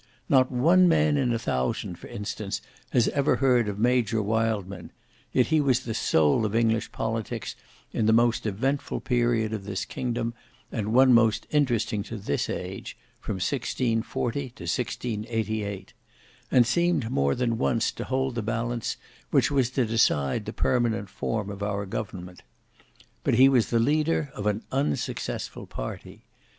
Not one man in a thousand for instance has ever heard of Major Wildman: yet he was the soul of English politics in the most eventful period of this kingdom, and one most interesting to this age, from 1640 to 1688; and seemed more than once to hold the balance which was to decide the permanent form of our government. But he was the leader of an unsuccessful party.